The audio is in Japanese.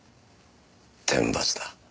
天罰だ。